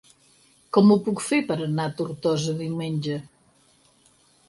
Com ho puc fer per anar a Tortosa diumenge?